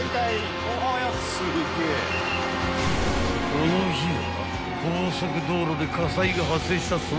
［この日は］